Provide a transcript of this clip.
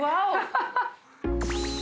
ハハハ